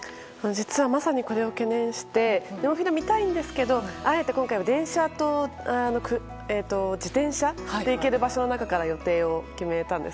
実は、まさにこれを懸念してネモフィラ見たいんですがあえて今回は、電車と自転車で行ける場所の中から予定を決めました。